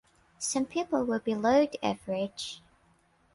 Some people were below the average.